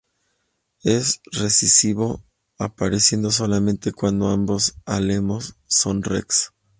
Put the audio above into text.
Es recesivo, apareciendo solamente cuando ambos alelos son "rex".